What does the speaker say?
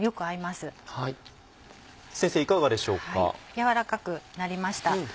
軟らかくなりました。